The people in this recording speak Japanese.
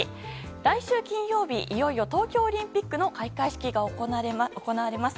来週金曜日、いよいよ東京オリンピックの開会式が行われます。